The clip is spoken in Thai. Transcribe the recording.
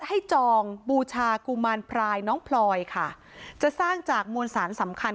จองบูชากุมารพรายน้องพลอยค่ะจะสร้างจากมวลสารสำคัญ